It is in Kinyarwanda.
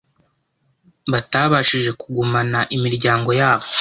batabashije kugumana imiryango yabo.